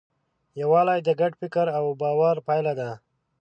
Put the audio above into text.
یووالی د ګډ فکر او باور پایله ده.